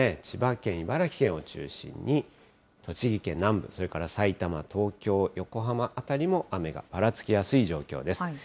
千葉県、茨城県を中心に栃木県南部、それからさいたま、東京、横浜辺りも雨がぱらつきやすい状況です。